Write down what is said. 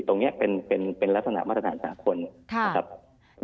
ตรงนี้เป็นลักษณะมาตรฐานสาคม